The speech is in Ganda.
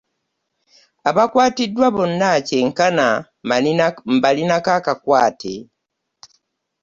Abaakwatiddwa bonna kyenkana mbalinako akakwate.